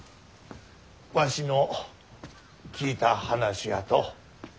わしの聞いた話やと。